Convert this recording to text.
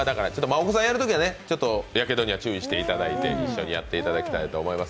お子さんとやるときにはやけどに注意していただいて一緒にやっていただきたいと思います。